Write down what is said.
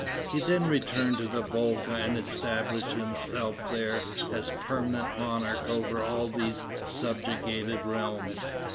He then returned to the Volga and established himself there as permanent monarch over all these subjugated realms.